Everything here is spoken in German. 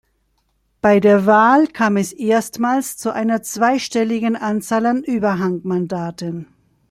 Bei der Wahl kam es erstmals zu einer zweistelligen Anzahl an Überhangmandaten.